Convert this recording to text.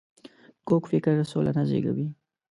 کوږ فکر سوله نه زېږوي